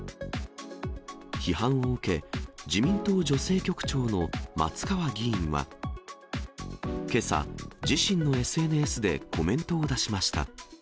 批判を受け、自民党女性局長の松川議員は、けさ、自身のＳＮＳでコメントを出しました。